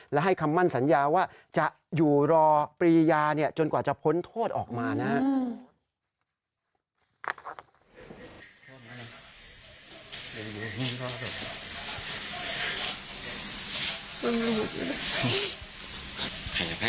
และให้คำมั่นสัญญาว่าจะอยู่รอปรียาจนกว่าจะพ้นโทษออกมานะครับ